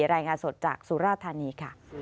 รายงานสดจากสุราธานีค่ะ